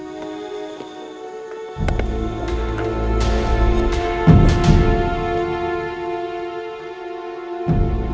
sepertinya aku kena kisah anak